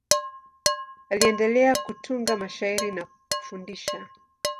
Aliendelea kutunga mashairi na kufundisha.